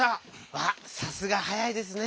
わっさすが早いですね！